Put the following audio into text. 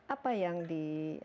apa yang di